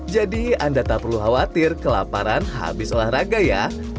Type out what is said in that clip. anda tak perlu khawatir kelaparan habis olahraga ya